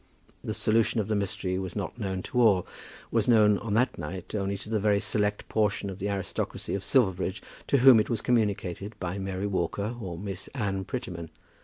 The solution of the mystery was not known to all, was known on that night only to the very select portion of the aristocracy of Silverbridge to whom it was communicated by Mary Walker or Miss Anne Prettyman.